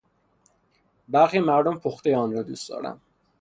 برخی مردم پختهی آن را دوست دارند.